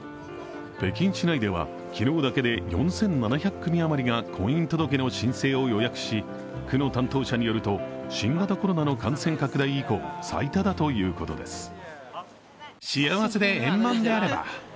北京市内では昨日だけで４７００組あまりが婚姻届の申請を予約し区の担当者によると新型コロナの感染拡大以降、最多だということです。